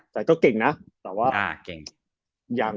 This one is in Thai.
แต่ก็เก่งนะเรื่อยัง